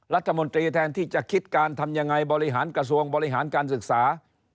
รัฐมนตรีแทนที่จะคิดการทำยังไงบริหารกระทรวงบริหารการศึกษา